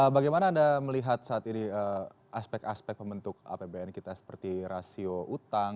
bagaimana anda melihat saat ini aspek aspek pembentuk apbn kita seperti rasio utang